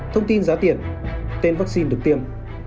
thông tin giá tiền tên vaccine được tiêm